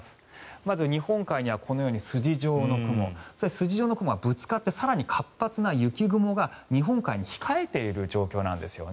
まず、日本海にはこのように筋状の雲筋状の雲がぶつかって更に活発な雪雲が日本海に控えている状況なんですね。